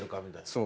そう。